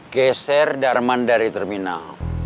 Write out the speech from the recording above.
geser darman dari terminal